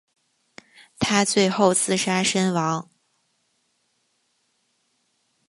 他最后自杀身亡。